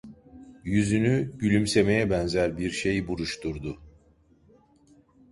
Yüzünü gülümsemeye benzer bir şey buruşturdu.